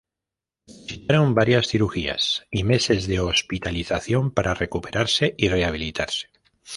Necesitaron varias cirugías y meses de hospitalización para recuperarse y rehabilitarse.